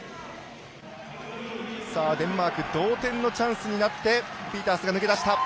デンマーク同点のチャンスになってピータースが抜け出した。